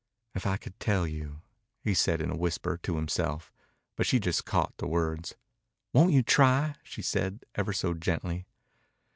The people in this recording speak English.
"If I could tell you!" He said it in a whisper, to himself, but she just caught the words. "Won't you try?" she said, ever so gently.